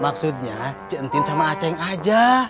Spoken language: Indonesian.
maksudnya cik entin sama a ceng aja